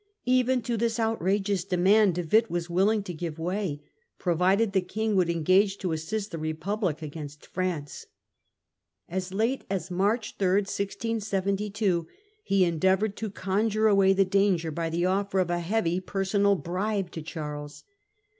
Even to this outrageous demand De Witt was willing to give way, provided the King would engage to assist the Republic against France. As late as March 3, 1672, he endeavoured to conjure away the danger by the offer of a heavy personal bribe to Charles.